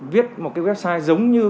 viết một cái website giống như